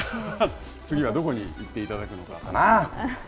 次はどこに行っていただくのかな。